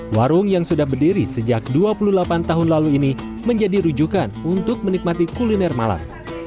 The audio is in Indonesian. warung yang sudah berdiri sejak dua puluh delapan tahun lalu ini menjadi rujukan untuk menikmati kuliner malam